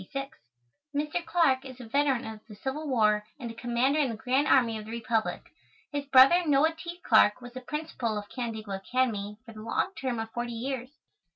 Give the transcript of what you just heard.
Mr. Clarke is a veteran of the Civil War and a Commander in the Grand Army of the Republic. His brother, Noah T. Clarke, was the Principal of Canandaigua Academy for the long term of forty years.